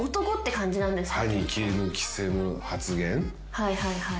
はいはいはい。